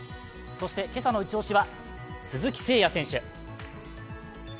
そして今朝のイチ押しは鈴木誠也選手。